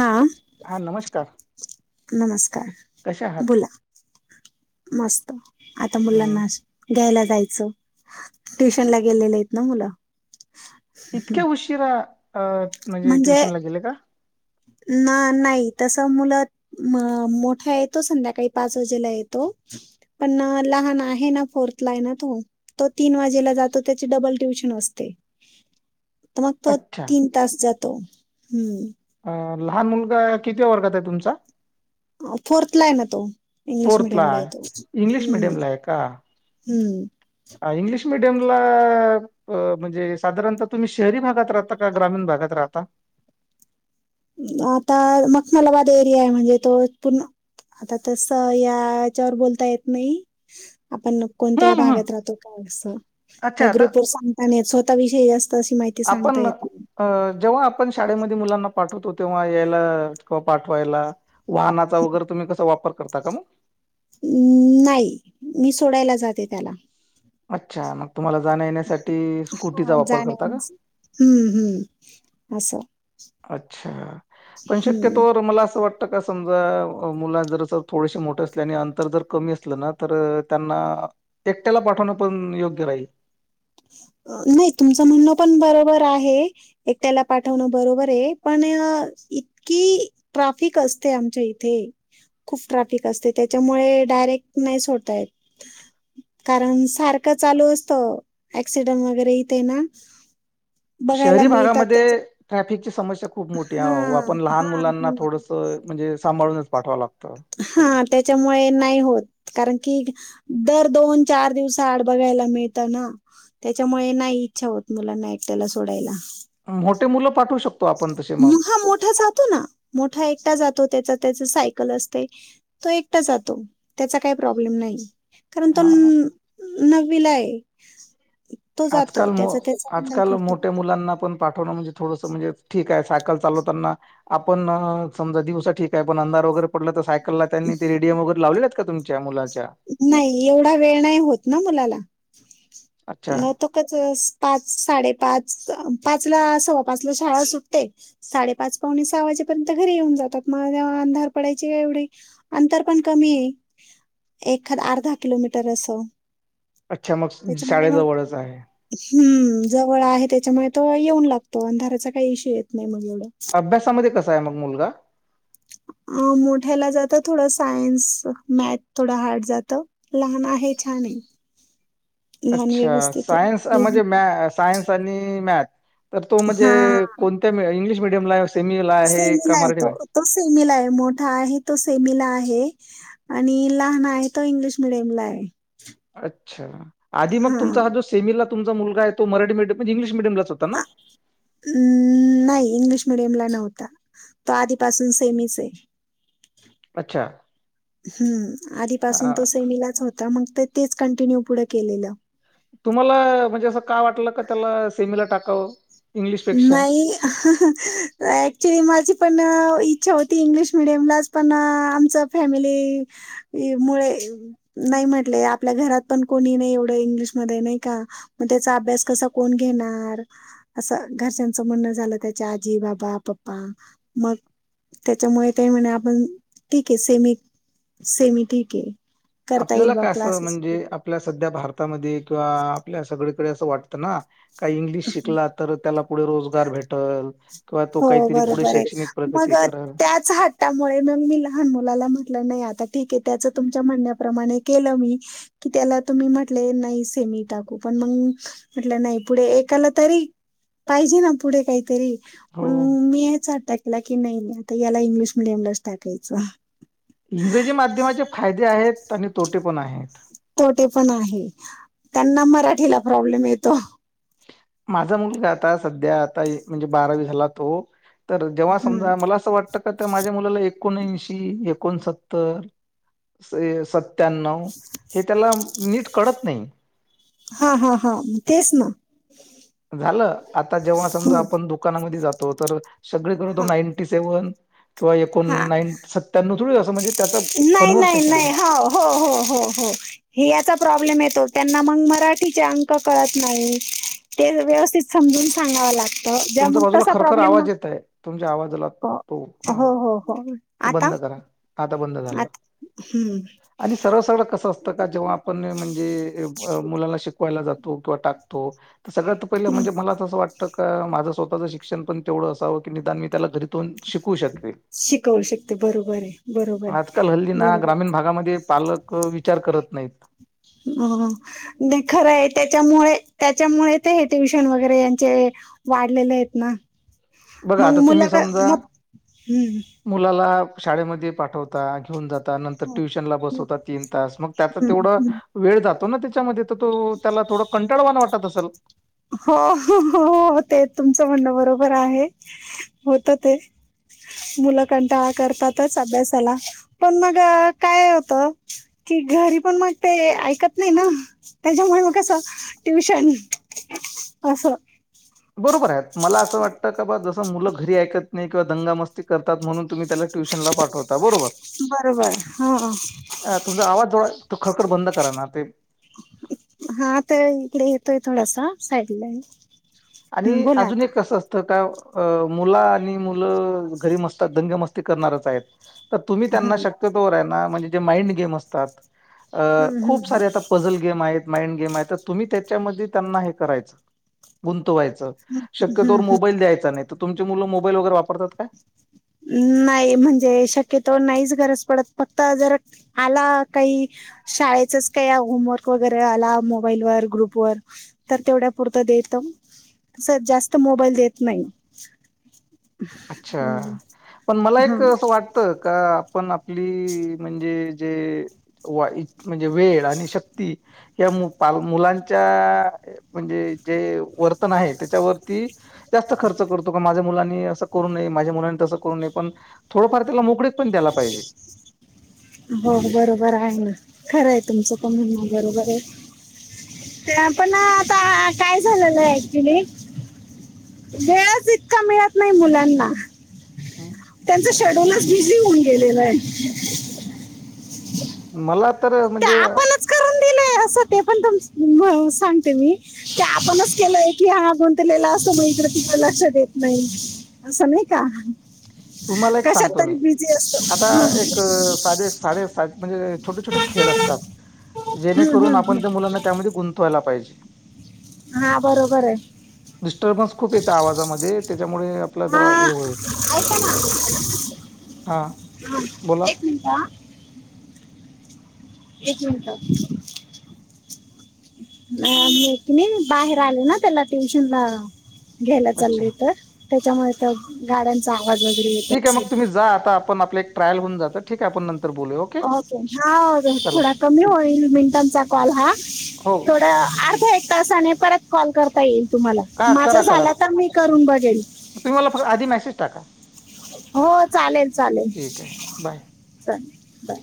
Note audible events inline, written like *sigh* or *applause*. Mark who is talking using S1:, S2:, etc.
S1: हा.
S2: नमस्कार
S1: नमस्कार
S2: कशा आहात
S1: बोला. मस्त. आता
S2: हम्
S1: मुलांना घ्यायला जायचं. ट्युशन ला गेलेलेत ना मुलं.
S2: इतक्या उशिरा अ म्हणजे ट्युशनला गेले का?
S1: ना नाही. तस मुलं म मोठा येतो. संध्याकाळी पाच वाजेला येतो. पण लहान आहे ना. फोर्थ ला आहे ना तो. तो तीन वाजेला जातो. त्याचे डबल ट्युशन असते.
S2: *unintelligible*
S1: त मग तो
S2: अच्छा
S1: तीन तास जातो. हम्म.
S2: अ लहान मुलगा कितीव्या वर्गाते तुमचा?
S1: फोर्थलाय ना तो. इंग्लिश
S2: फोर्थला
S1: मिडियमलाय
S2: आहे
S1: तो.
S2: इंग्लिश
S1: हम्म.
S2: मिडियमला आहे का
S1: हम्म.
S2: इंग्लिश मिडियमला अ म्हणजे साधारणतः तुम्ही शहरी भागात राहता का? ग्रामीण भागात राहता?
S1: आता मखमलाबाद एरियाय. म्हणजे तो पूर्ण आता तस याच्यावर बोलता येत नाही. आपण कोणत्या
S2: हम्म हम्
S1: भागात राहतो. काय अस,
S2: अच्छा
S1: या
S2: आता
S1: ग्रुप वर सांगता नाही येत. स्व तः विषयी जास्त अशी माहि
S2: आपण अ जेव्हा आपण शाळेमध्ये मुलांना पाठवतो. तेव्हा यायला किंवा पाठवायला वाहनाचा वगैरे तुम्ही कसा वापर करता का मग?
S1: अम् नाही. मी सोडायला जाते त्याला.
S2: अच्छा, मग तुम्हाला जाण्या येण्यासाठी,
S1: हा,
S2: स्कुटीचा वापर
S1: जाण्या
S2: करता का?
S1: हम्म हम्म. असं.
S2: अच्छा. पण
S1: हम्म
S2: शक्यतो मला असं वाट त. समजा मुला जरर थोडेसे मोठे असले. आणि अंतर जर कमी असलं ना, तर त्यांना एकट्याला पाठवणं पण योग्य राहील.
S1: नाही, तुमचं म्हणणं पण बरोबर आहे. एकट्याला पाठवणं बरोबरे. पण इतकी ट्राफिक असते आमच्या इथे. खूप ट्राफिक असते. त्याच्यामुळे डायरेक्ट नाही सोडता येत. कारण सारखं चालू असतं. ऍक्सिडेंट वगैरे यथे ना, बघायला
S2: शहरी
S1: मिळतात
S2: भागामध्ये
S1: त्याचे
S2: ट्रॅफिकची समस्या खूप मोठी आहे.
S1: हां,
S2: आपण लहान
S1: हां,
S2: मुलांना
S1: हो.
S2: थोडसं म्हणजे सांभाळूनंच पाठवावं लागतं
S1: हां त्यांच्यामुळे नाहीं होतं कारणं की. दरं दोन चार दिवसं आंड बघायंला मिळतं नां. त्यांच्यामुळे नाहीं इच्छा होतं मुलांना एकट्यांला सोडायंला.
S2: मोठे मुलं पाठवूं शकतं
S1: हां मोठा जातो नां मोठा एकटां जातो त्यांचा त्यांचं सायकल असते नां तो एकटां जातो त्यांचा कांहीं प्रॉब्लेम नाहीं. कारणं तो
S2: हां.
S1: नवीला आहे. तो जातो.
S2: आंजकाल मो
S1: त्याचा त्याचा हँडल
S2: आंजकाल
S1: करतो.
S2: मोठ्यां मुलांना पणं. पाठवंण म्हणजे थोडंसं म्हणजे ठीक आहे सायकल चालवतांना. आपणं समजां दिवसां ठीक आहे पणं अंधार वगैरें. पडलं तरं सायकललां त्यांनी ते रेडियम वगैरें लावलेत कां तुमच्यां मुलांच्या
S1: नाहीं एवढां वेळं नाहीं होतं नां मुलांला
S2: अच्छा
S1: नं तो तसंच पांच साडेपांच पांच लां सव्वा पांच लां शाळां सुटते साडेपांच पावणे सहा वाजेपर्यंत घरी येऊंन जातांत मंग तेंव्हा अंधार पडायचे कां एवढी. अंतर पणं कमी आहे. एखादं अर्धा किलोमीटर असं.
S2: अच्छा मंग शाळेजवळंच आहे.
S1: हम्मं जवळं आहे त्यांच्यामुळे तो येऊंन लागतो अंधारांचा कांहीं इशू येतं नाहीं मंग एवढं.
S2: अभ्यासांमध्यें कसां आहे मंग मुलंगा.
S1: अं मोठ्यांला जातं थोडं सायन्स मॅथ थोडं हार्ड जातं. लहांन आहे छान आहे. लहान
S2: अच्छा
S1: व्यवस्थित आहे.
S2: सायंस
S1: लहान-
S2: म्हणजे म- सायन्स आणि मॅथ तरं तो म्हणजे
S1: हा
S2: कोणत्यां इंग्लिश मिडियमलां. सेमी लां आहे
S1: सेमीला
S2: कां मराठी
S1: तो
S2: म
S1: तो सेमिला आहे मोठां आहे तो सेमिला आहे. आणि लहांन आहे तो इंग्लिश मिडियम लां आहे.
S2: अच्छा आधीग
S1: हा
S2: तुमचां हां जो सेमीला तुमचां मुलंगा तो मराठीडयम म्हजे इंग्लिश मिडयमंच होतां नां.
S1: हम्मं नाहीं इंग्लिश मिडियम लां नव्हतां तो आधीपासूंन सेमीलांच आहे.
S2: अच्छा!
S1: हम्मं आधीपासूंन
S2: अ,
S1: तो सेमीलांच होतां मंग ते तेचं कंटिन्यू पुढे केलेलं.
S2: तुम्हांला म्हणजे असं कायं वाटलं कां त्यांला सेमीला टाकावं. इंग्लिशपेक्षा?
S1: नाहीं हमं ऍक्च्युली माझी पणं इच्छा होती इंग्लिश मिडियमलांच पणं आमची फॅमिली. मुळें नाहीं म्हटले आपल्यां घरांत पणं कोणी नाहीं एवढं इंग्लिशमध्यें नाहीं कां. मंग त्यांचा अभ्यांस कसां कोणं घेणारं. असं घरच्यांचं म्हणणं झालं त्यांच्या आजी बाबां पप्पा मंग. त्यांच्यामुळे कायं म्हणे आपणं ठीक आहे सेमी सेमी ठीक आहे. करतां एईल बां क्लासेस.
S2: आपल्यां संध्या भारतांमध्ये किंवा आपल्यां सगळींकडे असं वाटतं नां कांहीं इंग्लिश शिकलांत. तरं त्यांला पुढे रोजगांर भेटलं
S1: हो बरोबर आहे मंग
S2: करल.
S1: त्याचं हां त्यांमुळे मंग मी लहांन मुलांला म्हटलं नाहीं आंता ठीक आहे त्याचं तुमच्या म्हणण्यांप्रमाणे केलं मी कि त्यांला तुम्हीं म्हटले नाहीं सेमी टाकूं पणं मंग म्हटलं नाहीं पुढे एकांला तरी पाहिजे नां पुढे कांहीतरी म
S2: हो.
S1: मी याच आता केला की नाही आता याला इंग्लिश मिडियमलाच टाकायचं.
S2: इंग्रजी माध्यमाच्या फायदे आहेत आणि तोटे पण आहेत.
S1: तोटे पण आहे त्यांना मराठीला प्रॉब्लेम येतो.
S2: माझा मुलगा आता सध्या आता म्हणजे बारावी झाला तो तर जेव्हा समजा मला असं वाटत त काय तर माझ्या मुलाला एकोणऐंशी एकोणसत्तर सय स त्यांना हे त्याला नीट कडत नाही.
S1: हा हा हा तेच ना.
S2: झालं आता जेव्हा समजा आपण दुकानामध्ये जातो तर सगळे करतो
S1: हा
S2: नाईंटी सेव्हन किंवा एकूण
S1: हा
S2: नाईं सत्त्याण्णव थोडी असं म्हणजे त्याचा
S1: नाही नाही
S2: कन्व्हर्सेशन
S1: नाही हो हो हो हो हो हे याचा प्रॉब्लेम येतो त्यांना मग मराठीचे अंक कळत नाही. ते व्यवस्थित समजून सांगावं लागतं ज
S2: तुमच्या
S1: मग
S2: बाजूला
S1: तसा
S2: खरखर
S1: प्रॉब्लेम मग
S2: आवाज येत आहे तुमच्या आवाजला तो ह
S1: हो हो हो
S2: तो
S1: आता
S2: बंद करा आता बंद झाला.
S1: आता हम्म
S2: आणि सर्व सगळं कसं असतं का जेव्हा आपण म्हणजे मुलाला शिकु. पयला जातो किंवा टाकतो तर सगळ्या तर पहिलं
S1: हम्म
S2: म्हणजे मलां तस वाटत तर का माझं स्वतःच शिक्षण पण तेवढं असावं की निदान मी त्याला घरी. तूण शिकु शकते
S1: शिकवू शकते बरोबर आहे बरोबर आहे
S2: आजकाल हल्ली ना
S1: बरोबर
S2: ग्रामीण भागामध्ये. पालक विचार करत नाहीत.
S1: हम नाय खरं आहे त्याच्यामुळे त्याच्यामुळे हे ट्युशन वगैरे यांचे. वाढलेले आहेत ना
S2: बघा
S1: मग
S2: आता तुम्ही
S1: मुलं का
S2: समजा
S1: मग हम्.
S2: मुलाला शाळेमध्ये पाठवता घेऊन जात. त नंतर
S1: हम्म
S2: ट्युशन ला बसवता तीन तास मग त्याच
S1: हम्म,
S2: तेवढं.
S1: हम्म.
S2: वेळ जातो ना त्याच्यामध्ये तर तो त्याला थोडं कंटाळवाना वाटत असेल.
S1: हो हो हो हो ते तुमचं म्हणणं बरोबर आहे होत ते. मुलं कंटाळा करतातच अभ्यासाला पण मग काय होत. कि घरी पण मग ते ऐकत नाही ना त्याच्यामुळे मग कसं ट्युशन. अस.
S2: बरोबर आहेत मला असं वाटतं का बा जसं मुलं घरी ऐकत नाही किंवा दंगा मस्त ती करतात म्हणून तुम्ही त्याला ट्युशन ल पाठवता बरोबर.
S1: बरोबर हा
S2: अ तुमचा आवाज जवळ ती खळकड बंद करा ना ते.
S1: हा तर इकडे येतोय थोडासा साईड ला.
S2: आणि अजून एक कसं असतं. तर काय मुलं आणि मुलं घरी मस्त दंग मस्ती करणारच आहेत. तर तुम्ही त्यांना
S1: हम्म
S2: शक्यतो राना म्हणजे जे माइंड गेम असतात. अ
S1: हम्म हम्म
S2: खूप सारे आता पझल गेम आहेत माइंड गेम आहेत तर तुम्ही त्याच्यामध्ये त्यांना हे करायचं. गुंतवायचं
S1: हम्म
S2: शक्यतोवर
S1: हम्म
S2: मोबाईल द्यायचा नाही तर तुमची मुलं मोबाईल वगैरे वापरतात का?
S1: नाही म्हणजे शक्यतो नाहीच गरज पडत फक्त जर आला काही. शाळेचच काय होमवर्क वगैरे आला मोबाईल व ग्रुपवर. तर तेवढ्या पुरत देत तस जास्त मोबाईल देत नाही.
S2: अच्छा पण मला
S1: हा
S2: एक असं वाटत का आपण. ली म्हणजे जे. वाईट. म्हणजे वेळ आणि शक्ती. या पाल मुलांच्या म्हणजे जे वर्तन आहे. त्याच्यावरती जास्त खर्च करतो. का माझ्या मुलांनी अस करू नये. माझ्या मुलांनी तस करु नये. पण थोडफार त्याला मोकळीक पण द्यायला पाहिजे.
S1: *inaudible* हो बरोबर आहे. खरंय तुमचं पण म्हणन बरोबरे. ते पण आता काय झालेलंय ऍक्च्युली, वेळच इतका मिळत नाही मुलांना.
S2: हम्म.
S1: त्यांच शेड्यूलच बिझी होऊन गेलेलंय.
S2: मला तर
S1: ते
S2: म्हणजे
S1: आपणच करून दिलंय असं ते पण तुम सांगते मी. ते आपणच केलंय की, हा गुंतलेला असतो. म ईकडे तिकडे लक्ष देत नाही. अस नाही का.
S2: तुम्हाला एक
S1: कशात
S2: सांगतो मी.
S1: तरी बिझी असतो
S2: आता
S1: हम्म.
S2: एक साधे साडे साधे म्हणजे छोटे छोटे खेळ असतात.
S1: हम्म,
S2: जेणेकरून
S1: हम्म,
S2: आपण त्या
S1: हम्म.
S2: मुलांना त्यामध्ये गुंतवायला पाहिजे.
S1: हा बरोबरे.
S2: डिस्टर्बन्स खूप येतं आवाजामध्ये. त्याच्यामुळे आपल्या जा
S1: हा
S2: हे होईल.
S1: ऐका ना
S2: हा
S1: हा,
S2: बोला.
S1: एक मिनिट हा, एक मिनट. मी कीनी बाहेर आले ना. त्याला ट्युशन ला घ्यायला
S2: अच्छा
S1: चालले तर. त्याच्यामुळे त गाड्यांचा आवाज वगैरे येत
S2: ठीक आहे मग
S1: असेल.
S2: तुम्ही जा आता आ आपण आपलं एक ट्रायल होऊन जातं. ठीके आपण नंतर बोलू.
S1: ओके. हा थोडा कमी होईल. मिनिटांचा कॉल हा.
S2: हो
S1: थोड अर्ध एक तासाने परत कॉल करता येईल तुम्हाला.
S2: हा
S1: माझा
S2: करा करा
S1: झाला तर मी करून बघेल.
S2: तुम्ही मला फक्त आधी मेसेज टाका.
S1: हो चालेल चालेल.
S2: ठीक आहे बाय
S1: चालेल. बाय